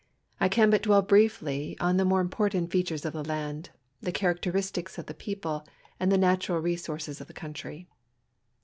I can hut dwell l)rierty on the more important features of the land, the characteristics ol"the people, and the natural resources of the country.